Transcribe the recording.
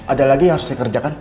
ada lagi yang harus saya kerjakan